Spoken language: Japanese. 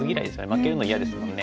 負けるの嫌ですもんね。